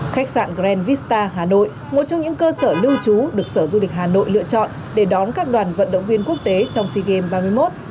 khách sạn grand vista hà nội một trong những cơ sở lưu trú được sở du lịch hà nội lựa chọn để đón các đoàn vận động viên quốc tế trong sea games ba mươi một